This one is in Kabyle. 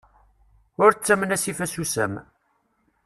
Ur ttamen asif asusam.